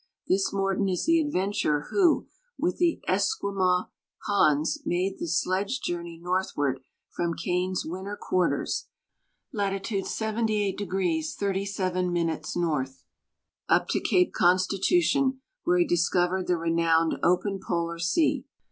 This rviorton is the adventurer who, with the Esquimaux Hans, made the sledge journey northward from Kane's winter quarters, latitude 78° 37^ north, up to cape Constitution, where he discovered the renowned " Open Polar sea."